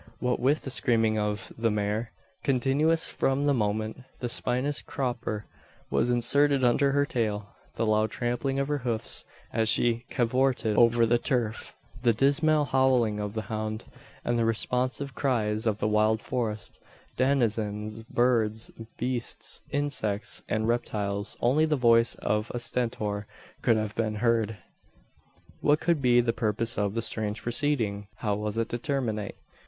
What with the screaming of the mare continuous from the moment the spinous crupper was inserted under her tail the loud trampling of her hoofs as she "cavorted" over the turf the dismal howling of the hound and the responsive cries of the wild forest denizens birds, beasts, insects, and reptiles only the voice of a Stentor could have been heard! What could be the purpose of the strange proceeding? How was it to terminate?